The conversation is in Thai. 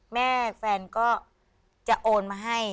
แฟนก็จะโอนมาให้